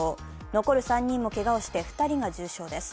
残る人もけがをして、２人が重傷です。